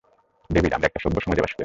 David, আমরা একটা সভ্য সমাজে বাস করি।